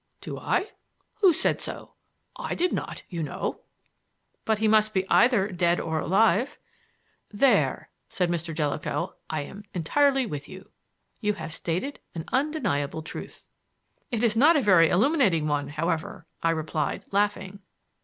"Do I? Who said so? I did not, you know." "But he must be either dead or alive." "There," said Mr. Jellicoe, "I am entirely with you. You have stated an undeniable truth." "It is not a very illuminating one, however," I replied, laughing.